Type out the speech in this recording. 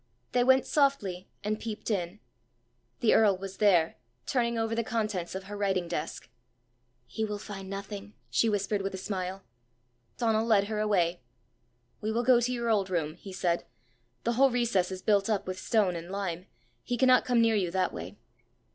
They went softly, and peeped in. The earl was there, turning over the contents of her writing desk. "He will find nothing," she whispered with a smile. Donal led her away. "We will go to your old room," he said. "The whole recess is built up with stone and lime: he cannot come near you that way!"